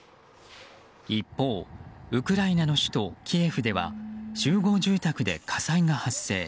一方、ウクライナの首都キエフでは集合住宅で火災が発生。